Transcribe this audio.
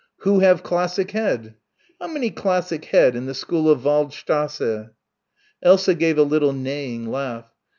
"Who have classic head?" "How many classic head in the school of Waldstrasse?" Elsa gave a little neighing laugh.